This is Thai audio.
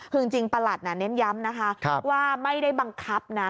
คือจริงประหลัดเน้นย้ำนะคะว่าไม่ได้บังคับนะ